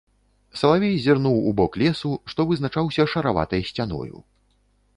Салавей зірнуў у бок лесу, што вызначаўся шараватай сцяною.